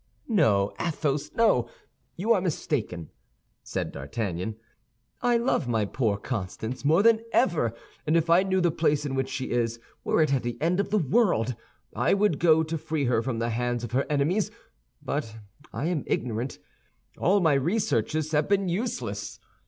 "No, Athos, no, you are mistaken," said D'Artagnan; "I love my poor Constance more than ever, and if I knew the place in which she is, were it at the end of the world, I would go to free her from the hands of her enemies; but I am ignorant. All my researches have been useless.